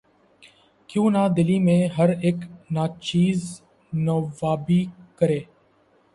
کیوں نہ دلی میں ہر اک ناچیز نوّابی کرے